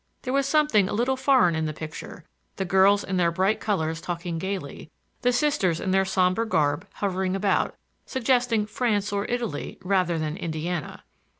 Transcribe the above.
There was something a little foreign in the picture; the girls in their bright colors talking gaily, the Sisters in their somber garb hovering about, suggesting France or Italy rather than Indiana.